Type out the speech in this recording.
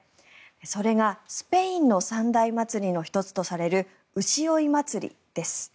それがスペインの三大祭りの１つとされる牛追い祭りです。